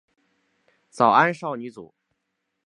早安少女组。